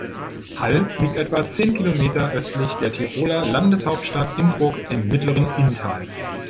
Hall liegt etwa zehn Kilometer östlich der Tiroler Landeshauptstadt Innsbruck im mittleren Inntal.